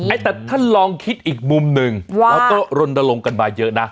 แต่ถ้าลองคิดอีกมุมนึงก็รนดลงกันมาเยอะนะ